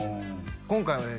今回はね